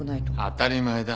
当たり前だ。